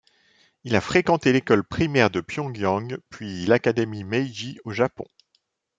Il a fréquenté l'école primaire de Pyongyang, puis l'Académie Meiji au Japon.